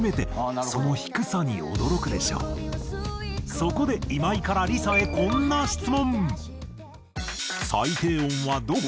そこで今井からＬｉＳＡへこんな質問。